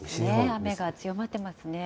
雨が強まってますね。